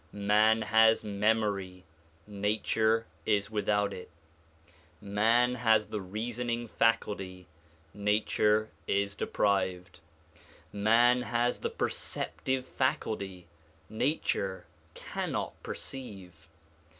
Man has memory ; nature is without it. Man has the reasoning faculty; nature is deprived. Man has the perceptive faculty ; nature cannot perceive.